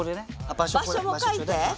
「場所」も書いて。